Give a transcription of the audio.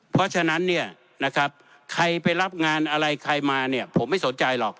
เพราะฉะนั้นใครไปรับงานอะไรใครมาผมไม่สนใจหรอก